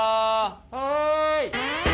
・はい！